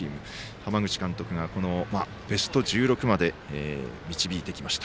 浜口監督がこのベスト１６まで導いてきました。